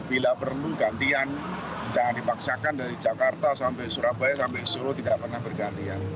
bila perlu gantian jangan dipaksakan dari jakarta sampai surabaya sampai solo tidak pernah bergantian